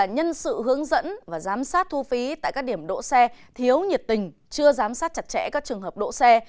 nhân sự hướng dẫn và giám sát thu phí tại các điểm đỗ xe thiếu nhiệt tình chưa giám sát chặt chẽ các trường hợp đỗ xe